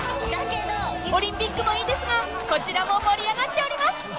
［オリンピックもいいですがこちらも盛り上がっております］